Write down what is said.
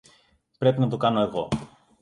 Πρέπει να το κάνω εγώ